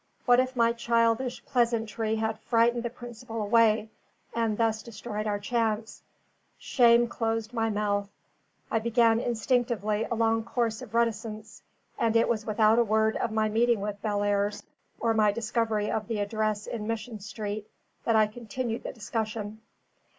What if my childish pleasantry had frightened the principal away, and thus destroyed our chance? Shame closed my mouth; I began instinctively a long course of reticence; and it was without a word of my meeting with Bellairs, or my discovery of the address in Mission Street, that I continued the discussion.